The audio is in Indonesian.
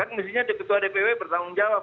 mestinya ketua dpw bertanggung jawab